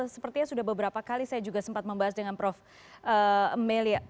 sepertinya sudah beberapa kali saya juga sempat membahas dengan prof melia